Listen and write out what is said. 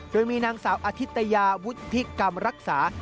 โดยมีนางสาวอธิตยาวุฒิกรรมรักษา